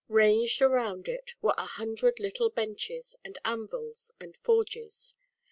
Ranged around it were a hundred little benches and anvils and forges.